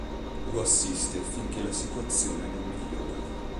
Lo assiste finché la situazione non migliora.